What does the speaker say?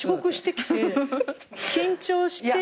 緊張して。